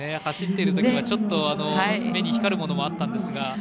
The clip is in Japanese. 走ってるときはちょっと目に光るものもあったんですが。